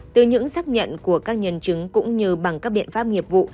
từ những xác nhận của các nhân chứng cũng như bằng các biện pháp nghiệp vụ